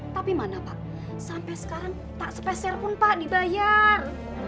tapi mana pak sampai sekarang tak sepeser pun pak dibayar